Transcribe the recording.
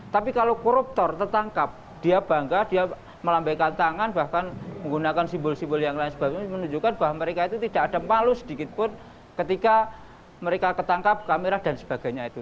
tapi kalau koruptor tertangkap dia bangga dia melambaikan tangan bahkan menggunakan simbol simbol yang lain sebagainya menunjukkan bahwa mereka itu tidak ada palu sedikit pun ketika mereka ketangkap kamera dan sebagainya itu